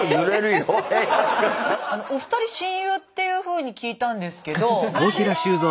お二人親友っていうふうに聞いたんですけど。